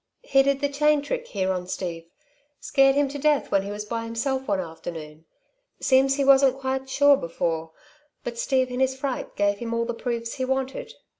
He did the chain trick here on Steve scared him to death when he was by himself one afternoon. Seems he wasn't quite sure before, but Steve in his fright gave him all the proofs he wanted.